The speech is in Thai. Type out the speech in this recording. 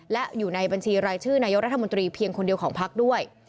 และอยู่ในบัญชีรายชื่อนายกรัฐมนตรีเพียงคนเดียวของพักด้วย